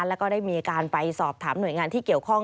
แล้วก็ได้มีการไปสอบถามหน่วยงานที่เกี่ยวข้อง